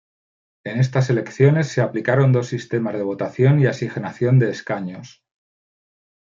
En estas elecciones se aplicaron dos sistemas de votación y asignación de escaños.